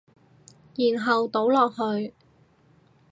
然後倒落去